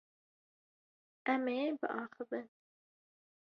Em ê biaxivin.